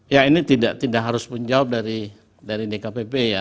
ya ini tidak harus menjawab dari dkpp ya